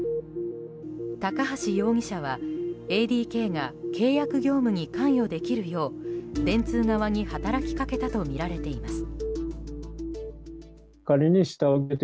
高橋容疑者は、ＡＤＫが契約業務に関与できるよう電通側に働きかけたとみられています。